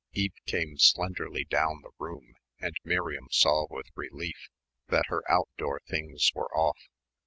Eve came slenderly down the room and Miriam saw with relief that her outdoor things were off.